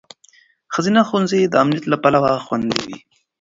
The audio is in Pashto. ښځینه ښوونځي د امنیت له پلوه خوندي وي.